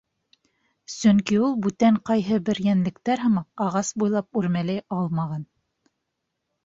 Сөнки ул бүтән ҡайһы бер йәнлектәр һымаҡ ағас буйлап үрмәләй алмаған.